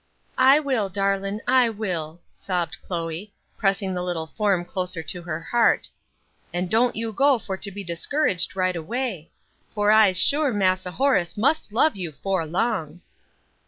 "I will, darlin', I will," sobbed Chloe, pressing the little form closer to her heart; "an' don't you go for to be discouraged right away; for I'se sure Massa Horace must love you, fore long."